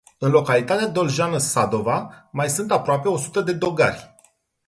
În localitatea doljeană Sadova mai sunt aproape o sută de dogari.